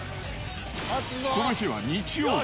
この日は日曜日。